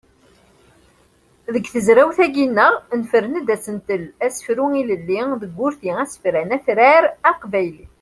Deg tezrawt-agi-nneɣ nefren-d asentel: asefru ilelli deg urti asefran atrar aqbayli.